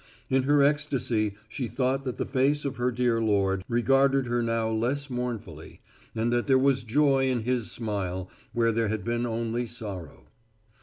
In her ecstasy she thought that the face of her dear Lord regarded her now less mournfully, and that there was joy in His smile where there had been only sorrow.